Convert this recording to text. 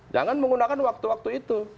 jangan menggunakan waktu waktu itu